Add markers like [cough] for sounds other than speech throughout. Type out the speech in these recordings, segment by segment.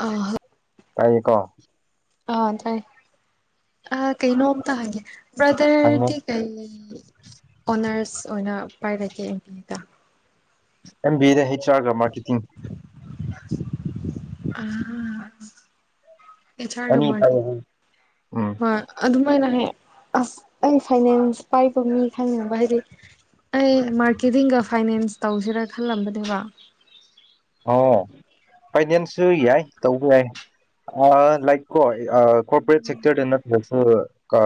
ꯑ ꯇꯥꯏꯌꯦꯀꯣ ꯑꯥ ꯇꯥꯏ ꯑꯥ ꯀꯩꯅꯣꯝꯇ ꯍꯪꯒꯦ ꯍꯪꯉꯣ ꯕ꯭ꯔꯗꯔꯗꯤ ꯀꯩ ꯑꯣꯅꯔꯁ ꯑꯣꯏꯅ ꯄꯥꯏꯔꯛꯀꯦ ꯑꯦꯝ ꯕꯤꯗꯥ ꯑꯦꯝ ꯕꯤ ꯑꯦꯗ ꯍꯩꯆ ꯑꯥꯔꯒ ꯃꯥꯔꯀꯦꯇꯤꯡ ꯑꯥ ꯑꯩꯆ ꯑꯥꯔꯒ ꯑꯅꯤ ꯃꯥꯔꯀꯦ ꯄꯥꯏꯌꯦ ꯍꯥꯏ ꯎꯝ ꯃꯥꯔ ꯑꯗꯨꯝ ꯀꯃꯥꯏꯅ ꯍꯥꯏ ꯑꯁ ꯑꯩ ꯐꯥꯏꯅꯦꯟꯁ ꯄꯥꯏꯕ ꯃꯤ ꯈꯪꯅꯤꯡꯕ ꯍꯥꯏꯗꯤ ꯑꯩ ꯃꯥꯔꯀꯦꯇꯤꯡꯒ ꯐꯥꯏꯅꯦꯟꯁ ꯇꯧꯁꯤꯔꯥ ꯈꯜꯂꯝꯕꯅꯦꯕ ꯑꯣ ꯐꯥꯏꯅꯦꯟꯁꯁꯨ ꯌꯥꯏ ꯇꯧꯕ ꯌꯥꯏ ꯑꯥ ꯂꯥꯏꯛ ꯀꯣꯏ ꯑꯥ ꯀꯣꯔꯄꯣꯔꯦꯠ ꯁꯦꯛꯇꯔꯗ ꯅꯠꯇ꯭ꯔꯖꯨ ꯀꯥ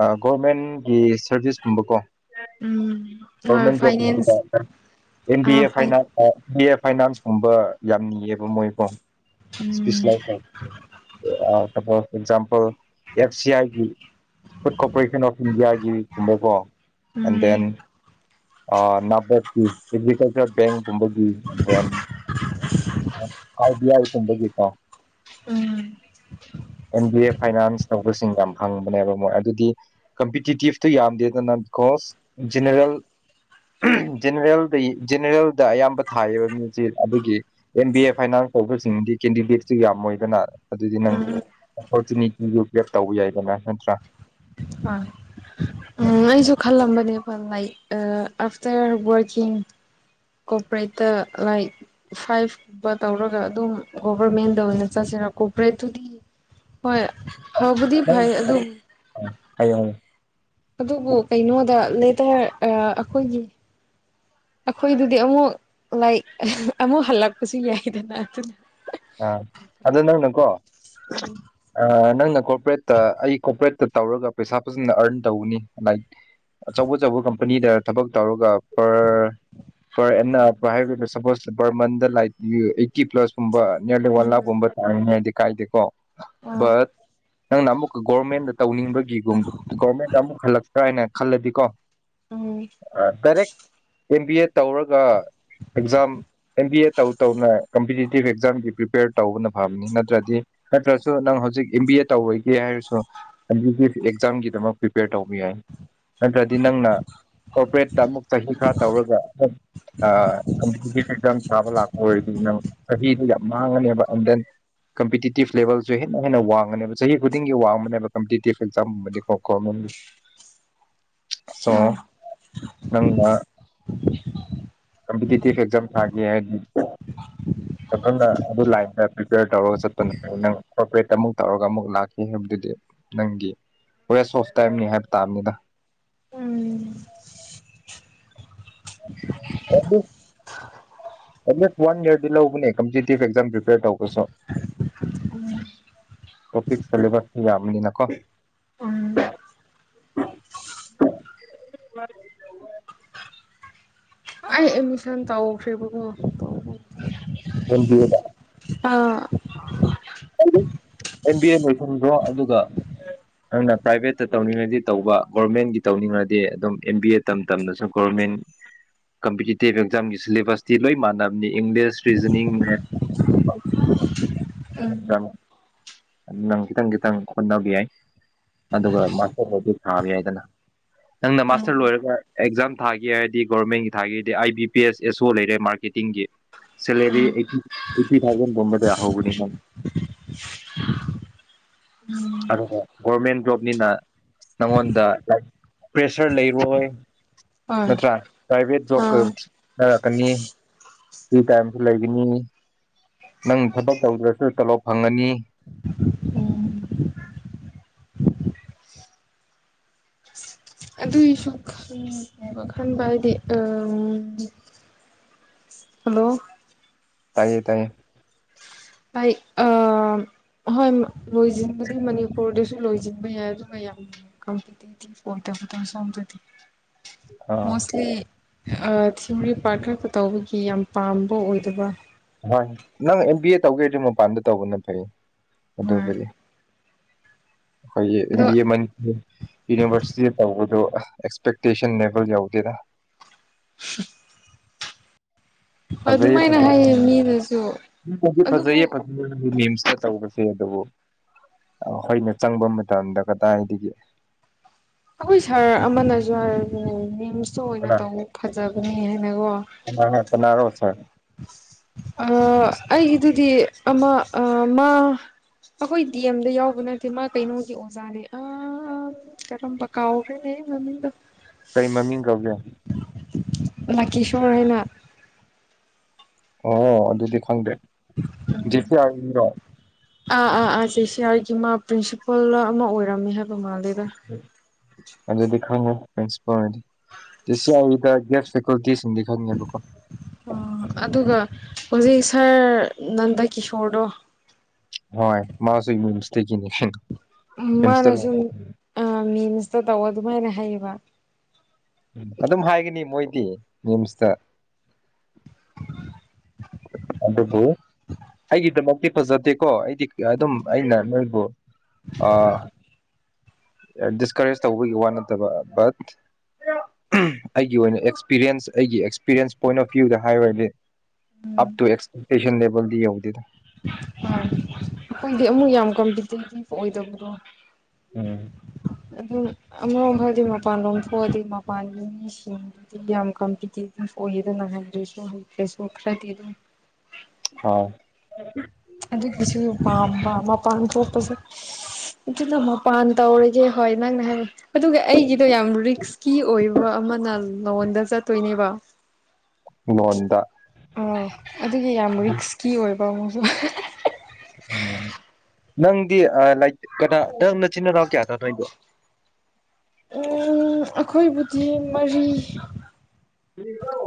ꯑꯥ ꯒꯣꯔꯃꯦꯟꯒꯤ ꯁꯔꯚꯤꯁꯀꯨꯝꯕꯀꯣ ꯎꯝ ꯍꯣꯏ ꯒꯣꯔꯃꯦꯟ ꯖꯣꯕ ꯐꯥꯏꯅꯥꯟꯁ ꯀꯨꯝꯕꯗ ꯑꯦꯝ ꯕꯤ ꯑ ꯑꯦ ꯐꯥꯏ ꯐꯥꯏꯅꯥꯟꯁ ꯍꯥꯏ ꯕꯤ ꯑꯦ ꯐꯥꯏꯅꯥꯟꯁꯀꯨꯝꯕ ꯌꯥꯝ ꯅꯤꯌꯦꯕ ꯃꯣꯏꯀꯣ ꯎꯝ [unintelligible] ꯑꯦꯐ ꯁꯤ ꯑꯥꯏꯒꯤ ꯐꯨꯗ ꯀꯣꯔꯣꯄꯔꯦꯁꯟ ꯑꯣꯐ ꯏꯟꯗꯤꯌꯥꯒꯤꯒꯨꯝꯕꯀꯣ ꯑꯦꯟ ꯎꯝ ꯗꯦꯟ ꯑꯣ ꯅꯕꯠꯀꯤ ꯐꯤꯖꯤꯀꯦꯜ ꯕꯦꯡꯀꯨꯝꯕꯒꯤ ꯗꯦꯟ ꯑꯔ ꯕꯤ ꯑꯥꯏ ꯀꯨꯝꯕꯒꯤꯀꯣ ꯎꯝ ꯕꯤ ꯑꯦ ꯐꯥꯏꯅꯥꯟꯁ ꯇꯧꯕꯁꯤꯡ ꯌꯥꯝ ꯐꯪꯕꯅꯦꯕ ꯃꯣꯏ ꯑꯗꯨꯗꯤ ꯀꯝꯄꯤꯇꯤꯇꯤꯞꯇꯨ ꯌꯥꯝꯗꯦꯗꯅ ꯕꯤꯀꯣꯁ ꯖꯤꯅꯔꯦꯜ ꯖꯦꯟꯔꯦꯜꯗꯩ ꯖꯦꯟꯔꯦꯜꯗ ꯑꯌꯥꯝꯕ ꯊꯥꯏꯌꯦꯕ ꯃꯖꯤ ꯑꯗꯨꯒꯤ ꯑꯦꯟ ꯕꯤ ꯑꯦ ꯐꯥꯏꯅꯥꯟꯁ ꯁꯤꯡꯗꯤ ꯀꯦꯟꯗꯤꯗꯦꯠꯁꯨ ꯌꯥꯝꯃꯣꯏꯗꯅ ꯑꯗꯨꯗꯤ ꯅꯪ ꯎꯝ ꯑꯣꯄꯣꯔꯆꯨꯅꯤꯇꯤꯗꯨ ꯒ꯭ꯔꯦꯞ ꯇꯧꯕ ꯌꯥꯏꯗꯅ ꯅꯠꯇ꯭ꯔꯥ ꯑꯥ ꯎꯝ ꯅꯪ ꯑꯩꯁꯨ ꯈꯜꯂꯝꯕꯅꯦ ꯂꯥꯏꯛ ꯑꯐꯇ꯭ꯔ ꯋꯔꯛꯀꯤꯡ ꯀꯣꯄꯔꯦꯠꯇ ꯂꯥꯏꯛ ꯐꯥꯏꯚꯕ ꯇꯧꯔꯒ ꯑꯗꯨꯝ ꯒꯣꯚꯔꯃꯦꯟꯗ ꯑꯣꯏꯅ ꯆꯥꯁꯤ ꯀꯣꯕ꯭ꯔꯦꯠ ꯇꯨꯗꯤ ꯍꯣꯏ ꯐꯕꯨꯗꯤ ꯍꯥꯏꯌꯣ ꯐꯩ ꯑꯗꯨꯝ ꯍꯥꯏꯌꯣ ꯑꯗꯨꯕꯨ ꯀꯩꯅꯣꯗ ꯂꯦꯇꯔ ꯑꯩꯈꯣꯏꯒꯤ ꯑꯩꯈꯣꯏꯗꯨꯗꯤ ꯑꯃꯨꯛ ꯂꯥꯏ ꯑꯃꯨꯛ ꯍꯜꯂꯛꯄꯁꯨ ꯌꯥꯏꯗꯅ ꯑꯗꯨꯅ ꯑꯥ ꯑꯗꯨ ꯅꯪꯅꯀꯣ ꯑꯥ ꯅꯪꯅ ꯀꯣꯄꯔꯦꯠꯇ ꯑꯩ ꯀꯣꯄꯔꯦꯠꯇ ꯇꯧꯔꯒ ꯄꯩꯁꯥ ꯐꯖꯅ ꯑꯔꯟ ꯇꯧꯒꯅꯤ ꯂꯥꯏꯛ ꯑꯆꯧ ꯑꯆꯧꯕ ꯀꯝꯄꯅꯤꯗ ꯊꯕꯛ ꯇꯧꯔꯒ ꯄꯔ ꯄꯔ ꯑ ꯍꯥꯏ suppose per month like eighty ꯄ꯭ꯂꯁꯀꯨꯝꯕ ꯅꯤꯌꯔꯗ ꯑꯣꯜ ꯂꯛꯀꯨꯕ ꯇꯟꯅꯤ ꯍꯥꯏꯗꯤ ꯀꯥꯏꯗꯦꯀꯣ ꯎꯝ ꯑ ꯕꯠ ꯅꯪꯅ ꯑꯃꯨꯛ ꯒꯣꯔꯃꯦꯟꯗ ꯇꯧꯅꯤꯡꯕꯒꯤꯒꯨꯝ ꯒꯣꯔꯃꯦꯟꯗ ꯑꯃꯨꯛ ꯍꯜꯂꯛꯇ꯭ꯔꯥ ꯍꯥꯏꯅ ꯈꯜꯂꯗꯤ ꯀꯣ ꯎꯝ ꯑꯦꯝ ꯕꯤ ꯑꯦ ꯇꯧꯔꯒ ꯑꯦꯛꯖꯥꯝ ꯑꯦꯝ ꯕꯤ ꯑꯦ ꯇꯧ ꯇꯧꯅ ꯀꯝꯄꯤꯇꯤꯇꯤꯞ ꯑꯦꯛꯖꯥꯝꯒꯤ ꯄ꯭ꯔꯤꯄꯦꯌꯔ ꯇꯧꯕꯅ ꯐꯕꯅꯤ ꯅꯠꯇ꯭ꯔꯗꯤ ꯅꯠꯇ꯭ꯔꯁꯨ ꯅꯪ ꯍꯧꯖꯤꯛ ꯑꯦꯝ ꯕꯤ ꯑꯦ ꯇꯧꯔꯣꯏꯒꯦ ꯍꯥꯏꯔꯁꯨ ꯑꯦꯛꯖꯥꯝꯒꯤꯗꯃꯛ ꯄ꯭ꯔꯤꯄꯦꯌꯔ ꯇꯧꯕ ꯌꯥꯏ ꯅꯠꯇ꯭ꯔꯗꯤ ꯅꯪꯅ ꯀꯣꯔꯄꯔꯦꯠꯇ ꯑꯃꯨꯛ ꯆꯍꯤ ꯈꯔ ꯇꯧꯔꯒ ꯑ ꯀꯝꯄꯤꯇꯤꯇꯤꯞ ꯑꯦꯛꯖꯥꯝ ꯊꯥꯕ ꯂꯥꯛꯄ ꯑꯣꯏꯔꯗꯤ ꯅꯪ ꯆꯍꯤꯗꯨ ꯌꯥꯝꯃꯡꯉꯅꯦꯕ ꯑꯦꯟ ꯗꯦꯟ ꯀꯝꯄꯤꯇꯤꯇꯤꯞ ꯂꯦꯕꯦꯜꯁꯨ ꯍꯦꯟꯅ ꯍꯦꯟꯅ ꯋꯥꯡꯉꯅꯦꯕ ꯆꯍꯤ ꯈꯨꯗꯤꯡꯒꯤ ꯋꯥꯡꯕꯅꯦꯕ ꯀꯝꯄꯤꯇꯤꯇꯤꯞ ꯑꯦꯛꯖꯥꯝ ꯒꯨꯝꯕꯗꯤꯀꯣ ꯎꯝ [inaudible] ꯁꯣ ꯍꯣꯏ ꯅꯪ ꯕ ꯀꯝꯄꯤꯇꯤꯇꯤꯞ ꯑꯦꯛꯖꯝ ꯊꯒꯦ ꯍꯥꯏꯗꯤ ꯑꯗꯨꯅ ꯑꯗꯨ ꯂꯥꯏꯟꯗ ꯄ꯭ꯔꯤꯄꯦꯌꯔ ꯇꯧꯔꯒ ꯆꯠꯄꯅꯠꯇ꯭ꯔ ꯅꯪ ꯀꯣꯔꯄꯔꯦꯠꯇ ꯑꯃꯨꯛ ꯇꯧꯔꯒ ꯑꯃꯨꯛ ꯂꯥꯛꯀꯦ ꯍꯥꯏꯕꯗꯨꯗꯤ ꯅꯪꯒꯤ ꯋꯦꯁ ꯑꯣꯐ ꯇꯥꯏꯝꯅꯤ ꯍꯥꯏꯕ ꯇꯥꯕꯅꯤꯗ ꯎꯝ ꯑꯗꯨ ꯑꯦꯠꯂꯤꯁ ꯋꯥꯟ ꯏꯌꯔꯗꯤ ꯂꯧꯕꯅꯦ ꯀꯝꯄꯤꯇꯤꯇꯤꯚ ꯑꯦꯛꯖꯥꯝ ꯄ꯭ꯔꯤꯄꯦꯔ ꯇꯧꯕꯁꯨ ꯇꯣꯄꯤꯛ ꯁꯦꯂꯦꯕꯁꯁꯨ ꯌꯥꯝꯕꯅꯤꯅꯀꯣ [inaudible] ꯎꯝ ꯑꯩ ꯑꯦꯠꯃꯤꯁꯟ ꯇꯧꯈ꯭ꯔꯦꯕꯀꯣ M B ah [inaudible] M B A ꯂꯣꯏꯁꯤꯟꯈ꯭ꯔꯣ ꯑꯗꯨꯒ ꯑꯗꯨꯅ ꯄ꯭ꯔꯥꯏꯚꯦꯠꯇ ꯇꯧꯅꯤꯡꯉꯗꯤ ꯇꯧꯕ ꯒꯣꯔꯃꯦꯟꯒꯤ ꯇꯧꯅꯤꯡꯉꯗꯤ ꯑꯗꯨꯝ ꯑꯦꯝ ꯕꯤ ꯑꯦ ꯇꯝ ꯇꯝꯅꯁꯨ ꯒꯣꯔꯃꯦꯟ ꯀꯝꯄꯤꯇꯤꯇꯤꯞ ꯑꯦꯛꯖꯥꯝꯒꯤ ꯁꯤꯂꯦꯕꯁꯇꯤ ꯂꯣꯏ ꯃꯥꯟꯅꯕꯅꯤ ꯏꯪꯂꯤꯁ ꯔꯤꯖꯅꯤꯡ ꯃꯦꯠꯁ [unintelligible] ꯎꯝ ꯅꯪ ꯈꯤꯇꯪ ꯈꯤꯇꯪ ꯍꯣꯠꯅꯕ ꯌꯥꯏ ꯑꯗꯨꯒ ꯃꯥꯁꯇꯔ ꯂꯣꯏꯔꯗꯤ ꯊꯥꯕ ꯌꯥꯏꯗꯅ ꯅꯪꯅ ꯑꯥ ꯃꯥꯁꯇꯔ ꯂꯣꯏꯔꯒ ꯑꯦꯛꯖꯥꯝ ꯊꯥꯒꯦ ꯍꯥꯏꯔꯗꯤ ꯒꯣꯔꯃꯦꯟꯒꯤ ꯊꯥꯒꯦꯗꯤ ꯑꯥꯏ ꯕꯤ ꯄꯤ ꯑꯦꯁ ꯑꯦꯁꯣ ꯂꯩꯔꯦ ꯃꯥꯔꯀꯦꯠ ꯇꯤꯟꯒꯤ ꯁꯦꯂꯦꯔꯤ ꯑꯦꯠ ꯑꯦꯠꯇꯤꯟ ꯊꯥꯎꯖꯟ ꯒꯨꯝꯕꯗ ꯍꯧꯕꯅꯦꯀꯣ ꯑꯥ ꯚꯣꯕꯔꯃꯦꯟ ꯖꯣꯕꯅꯤꯅ ꯅꯪꯉꯣꯟꯗ ꯄ꯭ꯔꯦꯁꯔ ꯂꯩꯔꯣꯏ ꯍꯣꯏ ꯅꯠꯇ꯭ꯔꯥ ꯄ꯭ꯔꯥꯏꯚꯦꯠ ꯖꯣꯕꯀ ꯑꯥ ꯈꯦꯠꯅꯔꯛꯀꯅꯤ ꯐ꯭ꯔꯤ ꯇꯥꯏꯝꯁꯨ ꯂꯩꯒꯅꯤ ꯅꯪ ꯊꯕꯛ ꯇꯧꯗ꯭ꯔꯁꯨ ꯇꯂꯣꯞ ꯐꯪꯉꯅꯤ ꯎꯝ ꯑꯗꯨꯑꯣꯏꯁꯨ ꯈꯟ ꯕ ꯈꯟꯕ ꯑꯗꯤ ꯑ ꯍꯜꯂꯣ ꯇꯥꯏꯌꯦ ꯇꯥꯏꯌꯦ ꯚꯥꯏ ꯑ ꯍꯣꯏ ꯃꯅꯤꯄꯨꯔꯖꯤꯃꯗꯤ ꯃꯅꯤꯄꯨꯔ ꯗꯁꯨꯨ ꯨ ꯂꯣꯏꯖꯤꯟꯕ ꯌꯥꯏ ꯑꯗꯨꯒ ꯌꯥꯝ ꯀꯝꯄꯤꯇꯤꯇꯤꯡ ꯑꯣꯏꯗꯕꯗꯣ ꯁꯣꯝꯗꯗꯤ ꯑꯥ ꯃꯣꯁꯂꯤ ꯑꯥ ꯊꯤꯑꯣꯔꯤ ꯄꯥꯔꯠ ꯈꯔꯈꯛ ꯇꯧꯕꯒꯤ ꯌꯥꯝ ꯄꯥꯝꯕ ꯑꯣꯏꯗꯕ ꯍꯣꯏ ꯅꯪ ꯑꯦꯝ ꯕꯤ ꯑꯦ ꯇꯧꯒꯦꯗꯤ ꯃꯄꯥꯟꯗ ꯇꯧꯕꯅ ꯐꯩ ꯍꯣꯏ ꯑꯗꯨꯕꯨꯗꯤ ꯑꯩꯈꯣꯏꯒꯤ ꯑꯦꯝ ꯑꯗꯣ ꯕꯤ ꯑꯦ ꯃꯅꯤꯄꯨꯔ ꯌꯨꯅꯤꯚꯔꯁꯤꯇꯤꯗ ꯇꯧꯕꯗꯨ ꯑꯥ ꯑꯦꯛꯁꯄꯦꯛꯇꯦꯁꯟ ꯂꯦꯚꯦꯜ ꯌꯥꯎꯗꯦꯗ [unintelligible] [unintelligible] ꯑꯗꯨꯃꯥꯏꯅ ꯍꯥꯏꯌꯦ ꯃꯤꯅꯁꯨ ꯑꯗꯨꯕꯨ ꯑꯆꯧꯕꯖꯦ ꯑꯗꯨꯕꯨ ꯑꯩꯈꯣꯏꯅ ꯆꯪꯕ ꯃꯇꯝꯗ ꯀꯗꯥꯏꯗꯒꯤ ꯑꯩꯈꯣꯏ ꯁꯥꯔ ꯑꯃꯅꯁꯨ ꯍꯥꯏꯕꯅꯦ ꯔꯤꯝꯁꯇ ꯑꯣꯏꯅ ꯇꯧꯑꯣ ꯐꯖꯕꯅꯦ ꯀꯅꯔꯥ ꯀꯅꯥꯔꯣ ꯁꯥꯔ ꯑꯥ ꯑꯩꯒꯤꯗꯨꯗꯤ ꯑꯃ ꯑꯥ ꯃꯥ ꯑꯩꯈꯣꯏ ꯗꯤ ꯑꯦꯝꯗ ꯌꯥꯎꯕ ꯅꯠꯇꯦ ꯃꯥ ꯀꯩꯅꯣꯒꯤ ꯑꯣꯖꯥꯅꯦ ꯑ ꯀꯔꯝꯕ ꯀꯥꯎꯈ꯭ꯔꯦꯅꯦ ꯃꯤ ꯃꯃꯤꯡꯗꯣ ꯀꯔꯤ ꯃꯃꯤꯡ ꯀꯧꯒꯦ ꯂꯀꯤꯁꯣꯔ ꯍꯥꯏꯅ ꯑꯣ ꯑꯗꯨꯗꯤ ꯈꯪꯗꯦ ꯗꯤꯄꯨꯔꯥꯒꯤ ꯃꯤꯔꯣ ꯑꯥ ꯑꯥ ꯑꯥ ꯁꯤ ꯁꯤ ꯑꯥꯔꯒꯤ ꯃꯥ ꯄ꯭ꯔꯤꯟꯁꯤꯄꯥꯜ ꯑꯃ ꯑꯣꯏꯔꯝꯃꯦ ꯍꯥꯏꯕ ꯃꯥꯜꯂꯦꯗ ꯑꯗꯨꯗꯤ ꯈꯪꯉꯦ ꯄ꯭ꯔꯤꯁꯤꯄꯜꯅꯦ ꯖꯤ ꯁꯤ ꯑꯥꯔ ꯏ ꯗ ꯒꯦꯁ ꯐꯦꯀꯜꯇꯤꯁ ꯑꯣ ꯑꯗꯨꯒ ꯍꯧꯖꯤꯛ ꯁꯥꯔ ꯅꯟꯗꯀꯤꯁꯣꯔꯗꯣ ꯍꯣꯏ ꯃꯥꯁꯨ ꯏꯃꯨꯟ ꯏꯁꯇꯗꯤꯅꯦ ꯍꯦ ꯃꯥꯅ ꯁꯨꯝ ꯑ ꯃꯤꯟꯁꯇ ꯇꯧ ꯑꯗꯨꯃꯥꯏꯅ ꯍꯩꯌꯦꯕ ꯎꯝ ꯑꯗꯨꯝ ꯍꯥꯏꯒꯅꯤ ꯃꯣꯏꯗꯤ ꯅꯤꯝꯁꯇ ꯑꯗꯨꯕꯨ ꯑꯩꯒꯤꯗꯃꯛꯇꯤ ꯐꯖꯗꯦꯀꯣ ꯑꯩꯗꯤ ꯑꯗꯨꯝ ꯑꯩꯅ ꯅꯣꯏꯕꯨ ꯑꯥ ꯗꯤꯁꯀꯔꯦꯖ ꯇꯧꯕꯒꯤ ꯋꯥ ꯅꯠꯇꯕ ꯕꯠ ꯎꯝ ꯑꯩꯒꯤ ꯑꯣꯏꯅ ꯑꯦꯛꯁꯄꯤꯔꯤꯌꯦꯟꯁ ꯑꯩꯒꯤ ꯑꯦꯛꯁꯄꯤꯔꯤꯌꯦꯟꯁ ꯄꯣꯏꯟ ꯑꯣꯐ ꯚ꯭ꯌꯨꯗ ꯍꯥꯏꯔꯨꯔꯗꯤ ꯑꯞ ꯇ ꯨꯑꯦꯛꯁꯄꯦꯛꯇꯦꯁꯟ ꯂꯦꯕꯦꯜꯗꯤ ꯌꯧꯗꯦꯗ ꯑ ꯑꯩꯈꯣꯏꯗꯤ ꯑꯃꯨꯛ ꯌꯥꯝ ꯀꯝꯄꯤꯇꯤꯚ ꯑꯣꯏꯗꯕ꯭ꯔꯣ ꯎꯝ ꯑꯗꯨꯅ ꯑꯃꯔꯣꯝ ꯍꯥꯏꯔꯗꯤ ꯃꯄꯥꯟꯂꯣꯝ ꯊꯣꯛꯑꯗꯤ ꯃꯄꯥꯟꯒꯤ ꯃꯤꯁꯤꯡꯗꯤ ꯌꯥꯝ ꯀꯝꯄꯤꯇꯤꯚ [unintelligible] ꯍꯥꯎ ꯑꯗꯨꯒꯤꯁꯨ ꯄꯥꯝꯕ ꯃꯞ ꯃꯄꯥꯟ ꯊꯣꯛꯄꯁꯨ ꯑꯗꯨꯅ ꯃꯄꯥꯟ ꯇꯧꯔꯒꯦ ꯍꯣꯏ ꯅꯪꯅ ꯍꯥꯏ ꯑꯗꯨꯒ ꯑꯩꯒꯤ ꯑꯩꯗꯣ ꯌꯥꯝ ꯔꯤꯛꯁꯀꯤ ꯑꯣꯏꯕ ꯑꯃꯅ ꯂꯣꯟꯗ ꯆꯠꯇꯣꯏꯅꯦꯕ ꯂꯣꯟꯗ ꯑ ꯑꯗꯨꯒꯤ ꯌꯥꯝ ꯔꯤꯛꯁꯀꯤ ꯑꯣꯏꯕ ꯑꯃꯨꯛꯁꯨ ꯎꯝ ꯅꯪꯗꯤ ꯑꯥ ꯂꯥꯏ ꯀꯅꯥ ꯅꯪ ꯅꯆꯤꯟ ꯅꯅꯥꯎ ꯀꯌꯥꯅꯣ ꯅꯣꯏꯗꯤ ꯎꯝ ꯑꯈꯣꯏꯕꯨꯗꯤ ꯃꯔꯤ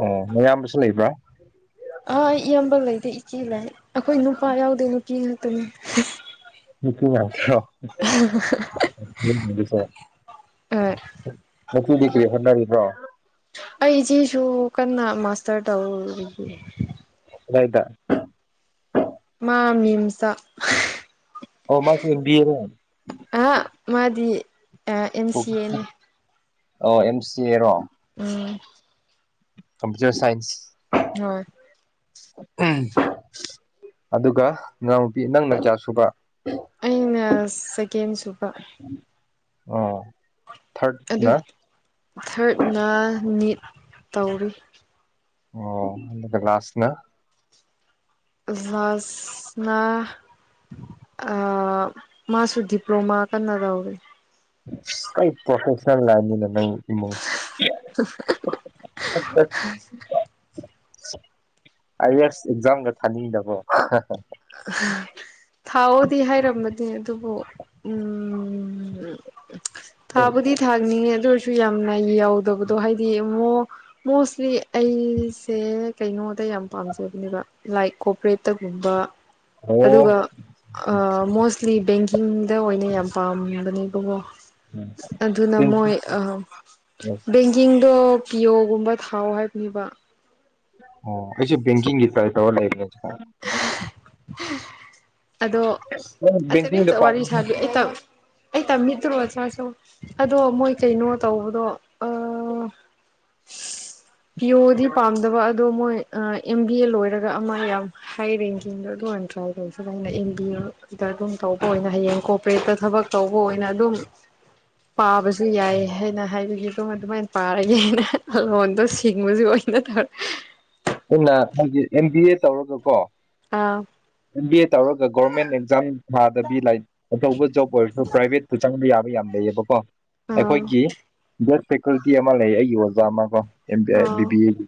ꯑꯣ ꯅꯌꯥꯝꯕꯁꯨ ꯂꯩꯕ꯭ꯔꯥ ꯑꯥ ꯏꯌꯥꯝꯕ ꯂꯩꯇꯦ ꯏꯆꯦ ꯂꯩ ꯑꯈꯣꯏ ꯅꯨꯄꯥ ꯌꯥꯎꯗꯦ ꯅꯨꯄꯤ ꯉꯥꯛꯇꯅꯤ ꯅꯨꯄꯤ ꯉꯥꯛꯇꯔꯣ ꯌꯥꯝꯃꯤꯅꯦꯀꯣ ꯑꯣꯏ ꯆꯦꯗꯤ ꯀ꯭ꯔꯤ ꯍꯣꯠꯅꯔꯤꯕ꯭ꯔꯣ ꯑꯩꯖꯤꯁꯨ ꯀꯟꯅꯥ ꯃꯥꯁꯇꯔ ꯇꯧꯔꯤꯌꯦ ꯀꯗꯥꯏꯗ ꯑꯥ ꯃꯤꯝꯁꯇꯥ ꯑꯣ ꯃꯥꯁꯨ ꯑꯦꯝ ꯕꯤ ꯑꯦ ꯔꯣ ꯑꯥ ꯑꯦꯝ ꯁꯤ ꯑꯦ ꯅꯤ ꯑꯣ ꯑꯦꯝ ꯁꯤ ꯑꯦ ꯔꯣ ꯑꯥ ꯀꯝꯄ꯭ꯨꯇꯔ ꯁꯥꯏꯟꯁ ꯍꯣꯏ ꯎꯝ ꯑꯗꯨꯒ ꯅꯅꯥꯥꯎꯅꯨꯄꯤ ꯅꯪꯅ ꯀꯌꯥ ꯁꯨꯕ ꯑꯩꯅ ꯁꯦꯀꯦꯟ ꯁꯨꯕ ꯑꯣ ꯑꯗꯨ ꯊꯥꯔꯠꯅ ꯊꯔꯠꯅ ꯅꯤꯠ ꯇꯧꯔꯤ ꯑꯣ ꯑꯗꯨꯒ ꯂꯥꯁ ꯅꯥ ꯂꯥꯁꯅ ꯑꯥ ꯃꯥꯁꯨ ꯗꯤꯄ꯭ꯂꯣꯃꯥ ꯀꯟꯅ ꯇꯧꯔꯤ ꯑꯁ ꯂꯣꯏ ꯄ꯭ꯔꯣꯐꯦꯁꯅꯦꯟ ꯂꯥꯏꯟꯅꯤꯅ ꯅꯪ ꯏꯃꯨꯡꯁꯦ ꯑꯥꯏ ꯌꯦꯁ ꯑꯦꯛꯖꯥꯝꯒ ꯊꯥꯅꯤꯡꯗꯕ꯭ꯔꯣ ꯍꯥ ꯍꯥ ꯑꯦ ꯑꯗꯨꯕꯨ ꯎꯝ ꯊꯥꯕꯨꯗꯤ ꯊꯥꯅꯤꯡꯉꯦ ꯑꯗꯨ ꯑꯣꯏ ꯊꯤ ꯌꯥꯝꯅ ꯌꯥꯎꯗꯕꯗꯣ ꯍꯥꯏꯗꯤ ꯃꯨꯛ ꯃꯣꯁꯂꯤ ꯑꯩꯁꯦ ꯀꯩꯅꯣꯗ ꯗ ꯌꯥꯝ ꯄꯥꯝꯖꯕꯅꯦꯕ ꯂꯥꯏꯛ ꯀꯣꯄꯔꯦꯠꯇꯒꯨꯝꯕ ꯑꯣ ꯑꯗꯨꯒ ꯑꯥ ꯃꯣꯁꯂꯤ ꯕꯦꯡ ꯀꯤꯡꯗ ꯑꯣꯏꯅ ꯌꯥꯝ ꯄꯥꯝꯕꯅꯦ ꯏꯕꯨꯉꯣ ꯑꯗꯨꯅ ꯃꯣꯏ ꯑꯥ ꯕꯦꯡꯀꯤꯡꯗꯣ ꯄꯤꯌꯣꯒꯨꯝꯕ ꯊꯥꯎ ꯍꯥꯏꯕꯅꯤꯕ ꯑꯣ ꯑꯩꯁꯨ ꯕꯦꯡꯀꯤꯡꯒꯤ ꯇ꯭ꯔꯥꯏ ꯇꯧꯔ ꯂꯩꯕꯅꯦ ꯍꯥ ꯑꯗꯣ [unintelligible] ꯅꯪ ꯕꯦꯡꯀꯤꯡꯗ ꯄꯥꯝ ꯑꯗꯣ ꯃꯣꯏ ꯀꯩꯅꯣ ꯇꯧꯕꯗꯣ ꯑꯥ ꯄꯤ ꯑꯣꯗꯤ ꯄꯥꯝꯗꯕ ꯑꯗꯣ ꯃꯣꯏ ꯑꯥ ꯑꯦꯝ ꯕꯤ ꯑꯦ ꯂꯣꯏꯔꯒ ꯑꯃ ꯌꯥꯝ ꯍꯥꯏ ꯔꯦꯡꯀꯤꯡꯗꯣ ꯑꯗꯨ ꯑꯣꯏꯅ ꯇ꯭ꯔꯥꯏ ꯇꯧꯁꯤꯔꯅ ꯑꯦꯝ ꯕꯤ ꯑꯦꯗ ꯑꯗꯨꯝ ꯇꯧꯕ ꯑꯣꯏꯅ ꯍꯌꯦꯡ ꯀꯣꯔꯄꯣꯔꯦꯠꯇ ꯊꯕꯛ ꯊꯕꯛ ꯇꯧꯕ ꯑꯣꯏꯅ ꯑꯗꯨꯝ ꯄꯥꯕꯁꯨ ꯌꯥꯏ ꯍꯥꯏꯅ ꯍꯥꯏꯕꯒꯤ ꯑꯗꯨ ꯑꯗꯨꯃꯥꯏꯅ ꯄꯥꯔꯒꯦꯅ ꯂꯣꯟꯗꯣ ꯁꯤꯡꯕꯖꯨ ꯑꯣꯏꯅ ꯇꯧꯔ ꯑꯩꯅ ꯑꯩꯒꯤ ꯑꯦꯝ ꯕꯤ ꯑꯦ ꯇꯧꯔꯒꯀꯣ ꯑꯥ ꯑꯦꯝ ꯕꯤ ꯑꯦ ꯇꯧꯔꯒ ꯒꯣꯔꯃꯦꯟ ꯑꯦꯛꯖꯥꯝ ꯊꯥꯗꯕꯤ ꯂꯥꯏꯔꯤꯛ ꯑꯆꯧꯕ ꯖꯣꯕ ꯑꯣꯏꯔꯖꯨ ꯄ꯭ꯔꯥꯏꯚꯦꯠꯄꯨ ꯆꯪꯕ ꯌꯥ ꯌꯥꯝ ꯂꯩꯌꯦꯕꯀꯣ ꯑꯥ ꯑꯦꯈꯣꯏꯒꯤ ꯕꯦꯗ ꯐꯦꯀꯜꯇꯤ ꯑꯃ ꯂꯩꯌꯦ ꯑꯩꯒꯤ ꯑꯣꯖꯥ ꯑꯃ ꯀꯣ M B I ah B B ꯑꯦꯒꯤ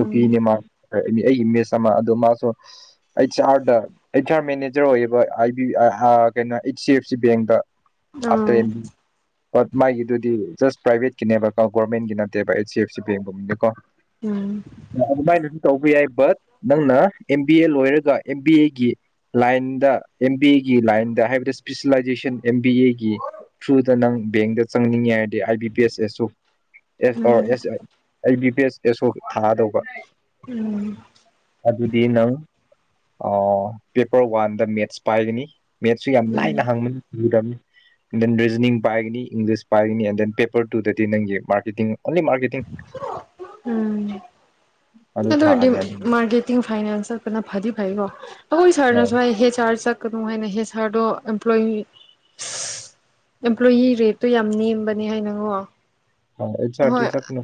ꯎꯝ ꯃꯥꯁꯨ ꯑꯩꯒꯤ ꯃꯦꯁ ꯑꯃ ꯑꯗꯣ ꯃꯥꯁꯨ ꯑꯩꯆ ꯑꯥꯔꯗ ꯑꯩꯆ ꯑꯥꯔ ꯃꯦꯅꯦꯖꯔ ꯑꯣꯏꯌꯦꯕ ꯑꯥꯏ ꯕꯤ ꯑꯥꯏ ꯑꯥ ꯀꯩꯅꯣ ꯑꯩꯆ ꯁꯤ ꯑꯦꯐ ꯁꯤ ꯕꯦꯡꯗ ꯑꯐꯇꯔ ꯑꯥ ꯑꯦꯝ ꯕꯤ ꯃꯥꯒꯤꯗꯨꯗꯤ ꯖꯁ ꯄ꯭ꯔꯥꯏꯚꯦꯠꯀꯤꯅꯦꯕꯀꯣ ꯒꯣꯔꯃꯦꯟꯒꯤ ꯅꯠꯇꯦꯕ ꯑꯩꯆ ꯁꯤ ꯑꯦꯐꯁꯤ ꯕꯦꯡꯒꯨꯝꯕꯗꯤꯀꯣ ꯎꯝ ꯑꯗꯨꯃꯥꯏꯅ ꯑꯗꯨꯝ ꯇꯧꯕ ꯌꯥꯏ ꯕꯠ ꯅꯪꯅ ꯑꯦꯝ ꯕꯤ ꯑꯦ ꯂꯣꯏꯔꯒ ꯑꯦꯝ ꯕꯤ ꯑꯦꯒꯤ ꯂꯥꯏꯟꯗ ꯑꯦꯝ ꯕꯤ ꯑꯦꯒꯤ ꯂꯥꯏꯟꯗ ꯍꯥꯏꯕꯗꯤ ꯏꯁꯄꯤꯁꯦꯂꯥꯏꯖꯦꯁꯟ ꯑꯦꯝ ꯕꯤ ꯑꯦꯒꯤ ꯊ꯭ꯔꯨꯗ ꯅꯪ ꯕꯦꯡꯗ ꯆꯪꯅꯤꯡꯉꯦ ꯍꯥꯏꯔꯗꯤ ꯑꯥꯏ ꯕꯤ ꯄꯤ ꯑꯦꯁ ꯑꯦꯁꯨ ꯑꯦꯁ ꯑꯣ ꯎꯝ ꯑꯦꯁ ꯑꯩ ꯕꯤ ꯄꯤ ꯑꯦꯁ ꯑꯣ ꯊꯥꯗꯧꯕ ꯎꯝ ꯑꯗꯨꯗꯤ ꯅꯪ ꯑꯣ ꯄꯦꯄꯔ ꯋꯥꯟꯗ ꯃꯦꯠꯁ ꯄꯥꯏꯒꯅꯤ ꯃꯦꯠꯁꯨ ꯌꯥꯝ ꯂꯥꯏꯅ ꯍꯪꯕꯅꯤꯅꯤ ꯂꯨꯗꯝꯅꯤ ꯗꯦꯟ ꯔꯤꯖꯅꯤꯡ ꯄꯥꯏꯒꯅꯤ ꯏꯪꯂꯤꯁ ꯄꯥꯏꯒꯅꯤ ꯑꯦꯟ ꯗꯦꯟ ꯄꯦꯄꯔ ꯇꯨꯗꯗꯤ ꯅꯪꯒꯤ ꯃꯥꯔꯀꯦꯇꯤꯡ ꯑꯣꯟꯂꯤ ꯃꯥꯔꯀꯦꯇꯤꯡ ꯎꯝ ꯑꯗꯨ ꯑꯗꯣꯏꯗꯤ ꯊꯥꯅꯤ ꯑꯗꯨ ꯃꯥꯔꯀꯦꯇꯤꯡ ꯐꯥꯏꯅꯟꯁ ꯆꯥꯠꯄꯅ ꯐꯗꯤ ꯐꯩꯀꯣ ꯍꯣꯏ ꯑꯩꯈꯣꯏꯁꯥꯔꯅꯁꯨ ꯍꯥꯏ ꯍꯦꯁ ꯆꯥꯔ ꯆꯠ ꯀꯗꯣ ꯍꯥꯏꯅ ꯍꯦꯗ ꯁꯥꯔꯗꯣ ꯑꯦꯝꯄ꯭ꯂꯣꯏꯤ ꯑꯝꯄ꯭ꯂꯣꯏꯣꯌꯤ ꯔꯦꯠꯇꯨ ꯌꯥꯝ ꯅꯦꯝꯕꯅꯦ ꯍꯥꯏꯅꯉꯣ ꯑꯩꯆ ꯑꯔ ꯗꯤ ꯍꯣꯏ ꯆꯠꯀꯅꯨ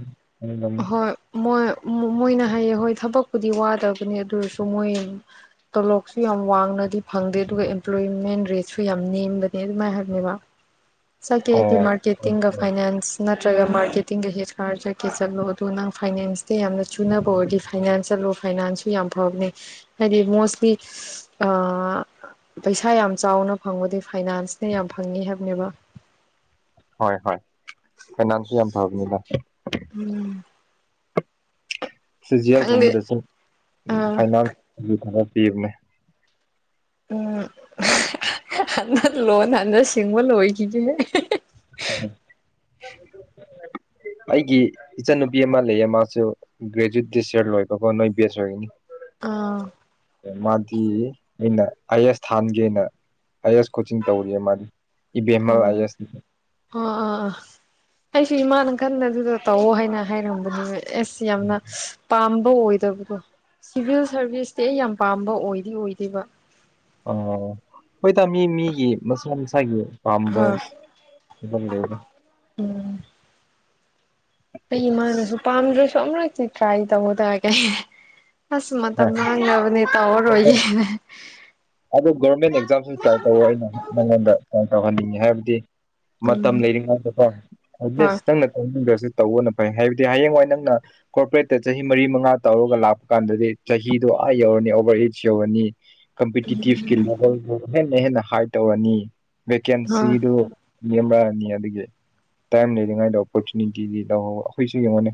ꯍꯣꯏ ꯃꯣꯏ ꯃꯨ ꯃꯣꯏꯅ ꯍꯥꯏꯌꯦ ꯍꯣꯏ ꯊꯕꯛꯄꯨꯗꯤ ꯋꯥꯗꯕꯅꯤ ꯑꯗꯨꯑꯣꯔꯁꯨ ꯃꯣꯏ ꯇꯣꯂꯣꯞꯁꯨ ꯌꯥꯝ ꯋꯥꯡꯅꯗꯤ ꯐꯪꯗꯦ ꯑꯗꯨꯒ ꯑꯦꯝꯄ꯭ꯂꯣꯏꯃꯦꯟ ꯔꯦꯠꯁꯨ ꯌꯥꯝ ꯅꯦꯝꯕꯅꯦ ꯑꯗꯨꯃꯥꯏꯅ ꯍꯥꯏꯕꯅꯦꯕ ꯆꯠꯀꯦ ꯍꯥꯏꯗꯤ ꯑꯣ ꯍꯣꯏ ꯃꯥꯔꯀꯦꯇꯤꯡꯒ ꯍꯣꯏ ꯐꯥꯏꯅꯥꯟꯁ ꯅꯠꯇ꯭ꯔꯒ ꯃꯥꯔꯀꯦꯇꯤꯡꯒ ꯍꯤꯠ ꯀꯥꯔ ꯆꯠꯀꯦ ꯆꯠꯂꯣ ꯑꯗꯣ ꯅꯪ ꯐꯩꯅꯦꯟꯁꯇꯤ ꯌꯥꯝꯅ ꯆꯨꯅꯕ ꯑꯣꯏꯔꯗꯤ ꯐꯩꯅꯥꯟꯁ ꯆꯠꯂꯣ ꯐꯩꯅꯥꯟꯁꯁꯨ ꯌꯥꯝ ꯐꯕꯅꯦ ꯍꯥꯏꯗꯤ ꯃꯣꯁꯂꯤ ꯑꯥ ꯄꯩꯁꯥ ꯌꯥꯝ ꯆꯥꯎꯅ ꯐꯪꯕꯗꯤ ꯐꯥꯏꯅꯥꯟꯁꯅ ꯌꯥꯝ ꯐꯪꯉꯤ ꯍꯥꯏꯕꯅꯦꯕ ꯍꯣꯏ ꯍꯣꯏ ꯐꯩꯅꯥꯟꯁꯁꯨ ꯌꯥꯝ ꯐꯕꯅꯤꯗ ꯎꯝ ꯈꯪꯗꯦ ꯐꯤꯖꯤꯑꯦꯜꯒꯨꯝꯕꯗ ꯁꯨ ꯑꯥ ꯐꯥꯏꯟꯁ ꯈꯔ ꯄꯤꯕꯅꯦ ꯎꯝ [unintelligible] ꯍꯟꯅ ꯂꯣꯟ ꯍꯟꯅ ꯁꯤꯡꯕ ꯂꯣꯏꯈꯤꯒꯦ [unintelligible] ꯎꯝ ꯑꯩꯒꯤ ꯏꯆꯟꯅꯨꯄꯤ ꯑꯃ ꯂꯩꯌꯦ ꯃꯥꯁꯨ ꯒ꯭ꯔꯦꯖꯨꯋꯦꯠ ꯗꯤꯁ ꯌꯔ ꯂꯣꯏꯕꯀꯣ ꯅꯣꯏ ꯕꯦꯁ ꯑꯣꯏꯒꯅꯤ ꯑꯥ ꯃꯗꯤ ꯑꯩꯅ ꯑꯥꯏꯑꯦꯁ ꯊꯥꯟꯒꯦꯅ ꯑꯥꯏꯑꯦꯁ ꯀꯣꯆꯤꯡ ꯇꯧꯔꯤꯌꯦ ꯃꯗꯤ ꯏꯕꯦꯝꯃꯜ ꯑꯥꯏ ꯑꯦꯁ ꯑ ꯑꯩꯁꯨ ꯏꯃꯥꯅ ꯀꯟꯅ ꯑꯗꯨꯗꯣ ꯇꯧꯑꯣ ꯍꯥꯏꯅ ꯍꯥꯏꯔꯝꯕꯅꯦꯕ ꯑꯦꯁ ꯌꯥꯝꯅ ꯄꯝ ꯑꯣꯏꯗꯕꯗꯣ ꯁꯤꯚꯤꯜ ꯁꯥꯔꯚꯤꯁꯇꯤ ꯑꯩ ꯌꯥꯝ ꯄꯥꯝꯕ ꯑꯣꯏꯗꯤ ꯑꯣꯏꯗꯦꯕ ꯑꯣ ꯍꯣꯏꯗ ꯃꯤ ꯃꯤꯒꯤ ꯃꯁꯥ ꯃꯁꯥꯒꯤ ꯄꯥꯝꯕ ꯍꯣꯏ ꯑꯗꯨꯝ ꯂꯩꯔꯦ ꯎꯝ ꯑꯩ ꯏꯃꯥꯅꯁꯨ ꯄꯥꯝꯗ꯭ꯔꯁꯨ ꯑꯃꯨꯔꯛꯇꯤ ꯇ꯭ꯔꯥꯏ ꯇꯧꯋꯣꯗ ꯀꯥꯏ ꯑꯁ ꯃꯇꯝ ꯃꯥꯡꯅꯕꯅꯦ ꯇꯧꯔꯔꯣꯏꯒꯦ ꯑꯗꯣ ꯒꯣꯔꯃꯦꯟ ꯑꯦꯛꯖꯥꯝꯁꯨ ꯇ꯭ꯔꯥꯏ ꯇꯧ ꯑꯩꯅ ꯅꯪꯉꯣꯟꯗ ꯇꯥꯏ ꯇꯧꯍꯟꯅꯤꯡꯉꯦ ꯍꯥꯏꯕꯗꯤ ꯃꯇꯝ ꯎꯝ ꯂꯩꯔꯤꯉꯩꯗꯀꯣ ꯍꯣꯏ ꯑꯦꯠꯂꯤꯁ ꯅꯪꯅ ꯇꯧꯅꯤꯡꯗ꯭ꯔꯁꯨ ꯇꯧꯕꯅ ꯐꯩ ꯍꯥꯏꯕꯗꯤ ꯍꯌꯦꯡꯋꯥꯏ ꯅꯪꯅ ꯀꯣꯔꯄ꯭ꯔꯦꯠꯇ ꯆꯍꯤ ꯃꯔꯤ ꯃꯉꯥ ꯇꯧꯔꯒ ꯂꯥꯛ ꯀꯥꯟꯗꯗꯤ ꯆꯍꯤꯗꯣ ꯑ ꯌꯧꯔꯅꯤ ꯑꯣꯚꯔ ꯑꯦꯖ ꯌꯧꯔꯅꯤ ꯀꯝꯄꯤꯠ ꯀꯤꯗꯤꯞꯀꯤ [unintelligible] ꯍꯦꯟꯅ ꯍꯦꯟꯅ ꯍꯥꯏ ꯇꯧꯔꯅꯤ ꯍꯣꯏ ꯚꯦꯀꯦꯟꯁꯤꯗꯨ ꯂꯦꯝꯔꯛꯑꯅꯤ ꯑꯗꯨꯒꯤ ꯇꯥꯏꯝ ꯂꯩꯔꯤꯉꯥꯏꯗ ꯑꯣꯄꯣꯔꯆꯨꯅꯤꯇꯤꯗꯤ ꯂꯧꯍꯧ ꯑꯩꯈꯣꯏꯁꯨ ꯌꯦꯡꯉꯣꯅꯦ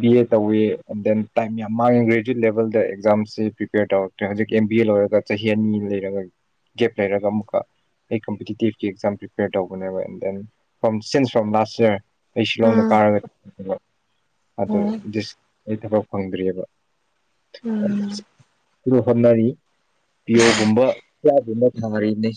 ꯕꯤ ꯑꯦ ꯇꯧꯋꯦ ꯗꯦꯟ ꯇꯥꯏꯝ ꯌꯥꯝ ꯃꯥꯡꯉꯦ ꯒ꯭ꯔꯦꯖꯨꯋꯦꯠ ꯂꯦꯚꯦꯜꯗ ꯑꯦꯛꯖꯥꯝꯁꯤ ꯄ꯭ꯔꯤꯄꯦꯌꯔ ꯇꯧꯔꯛꯇ꯭ꯔꯦ ꯍꯧꯖꯤꯛꯀꯤ ꯑꯦꯝ ꯕꯤ ꯑꯦ ꯂꯣꯏꯔꯒ ꯆꯍꯤ ꯑꯅꯤ ꯂꯩꯔꯒ ꯒꯦꯞ ꯂꯩꯔꯒ ꯑꯃꯨꯛꯀ ꯑꯩ ꯀꯝꯄꯤꯇꯤꯇꯤꯞꯀꯤ ꯑꯦꯛꯖꯥꯝ ꯄ꯭ꯔꯤꯄꯦꯌꯔ ꯇꯧꯕꯅꯦꯕ and then from since from last year ꯑꯩ ꯁꯤꯂꯣꯡꯗ ꯎꯝ ꯀꯥꯔꯒ [unintelligible] ꯑꯗꯨ ꯎꯝ ꯗꯤꯁ ꯑꯩ ꯊꯕꯛ ꯐꯪꯗ꯭ꯔꯤꯌꯦꯕ ꯎꯝ [unintelligible] ꯍꯣꯠꯅꯔꯤ ꯄꯤꯌꯣꯒꯨꯝꯕ ꯀ꯭ꯌꯥꯒꯨꯝꯕ ꯊꯥꯅꯔꯤꯅꯦ